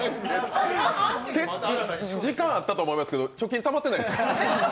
時間あったと思いますけど、貯金たまってないですか？